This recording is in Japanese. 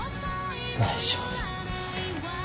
大丈夫。